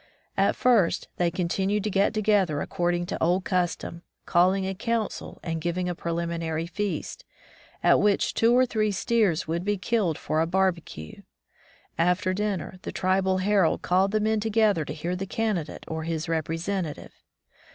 At first they continued to get together according to old custom, calling a council and giving a preliminary feast, at which two or three steers would be killed for a barbecue. After dinner, the tribal herald called the men together to hear the candi date or his representative.